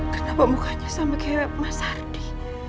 kenapa mukanya sama kayak mas ardi